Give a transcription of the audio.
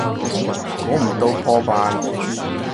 估唔到破万